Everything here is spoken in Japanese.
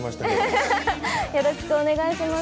よろしくお願いします。